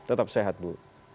tetap sehat bu